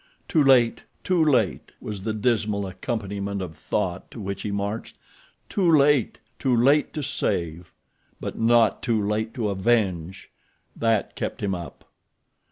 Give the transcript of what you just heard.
"Too late! Too late!" was the dismal accompaniment of thought to which he marched. "Too late! Too late to save; but not too late to avenge!" That kept him up.